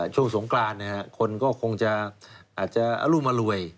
ช่วงสงครานคนก็คงจะอรุมารวย